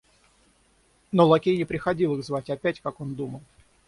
Но лакей не приходил их звать опять, как он думал.